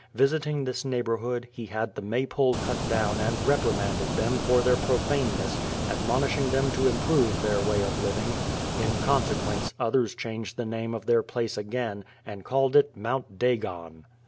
Visiting this neighbourhood, he had the May pole cut down, and reprimanded them for their profaneness, admonishing them to improve their way of living. In consequence, others changed the name of their place again, and called it Mount Dagon!